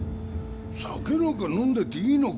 酒なんか飲んでていいのか？